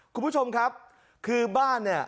คุณผู้ชมครับคือบ้านเนี่ย